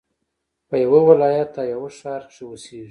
په يوه ولايت او يوه ښار کښي اوسېږه!